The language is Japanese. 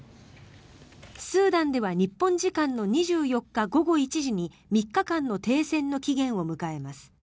スーダンでは日本時間の２４日午後１時に３日間の停戦の期限を迎えます。